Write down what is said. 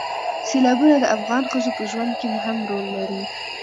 سیلابونه د افغان ښځو په ژوند کې هم رول لري.